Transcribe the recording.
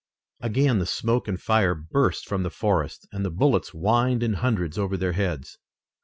Again the smoke and fire burst from the forest, and the bullets whined in hundreds over their heads.